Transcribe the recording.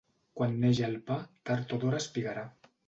Quan neix el pa, tard o d'hora espigarà.